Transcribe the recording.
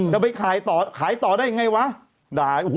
แต่ไปขายต่อขายต่อได้อย่างไรหวะ